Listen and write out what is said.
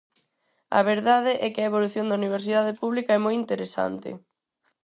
A verdade é que a evolución da Universidade pública é moi interesante.